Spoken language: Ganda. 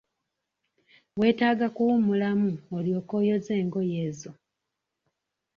Weetaaga kuwummulamu olyoke oyoze engoye ezo.